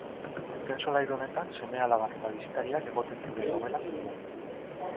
Azken solairu honetan seme-alabak eta bisitariak egoten ziren logelak zeuden.